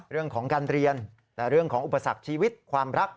เรื่องของการเรียนแต่เรื่องของอุปสรรคชีวิตความรัก